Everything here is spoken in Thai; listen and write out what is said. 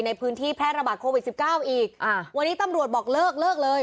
ในพื้นที่แพร่ระบาดโควิดสิบเก้าอีกอ่าวันนี้ตำรวจบอกเลิกเลิกเลย